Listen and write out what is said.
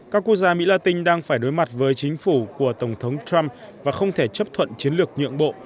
các quốc gia mỹ latin đang phải đối mặt với chính phủ của tổng thống trump và không thể chấp thuận chiến lược nhượng bộ